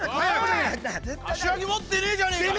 カシワギ持ってねえじゃねえか！